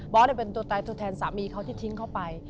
เป็นตัวแทนสามีเขาที่ทิ้งเขาไป